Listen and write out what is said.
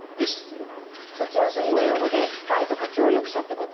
そっちの筋の用語でスパイとか協力者って事。